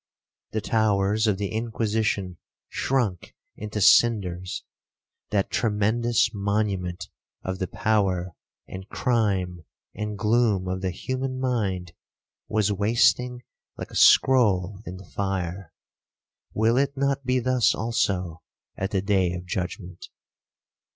The towers of the Inquisition shrunk into cinders—that tremendous monument of the power, and crime, and gloom of the human mind, was wasting like a scroll in the fire. Will it not be thus also at the day of judgement?